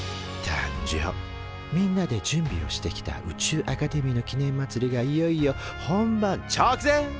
みんなで準備をしてきた宇宙アカデミーの記念まつりがいよいよ本番ちょくぜん。